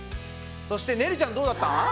そしてねるちゃんどうだった？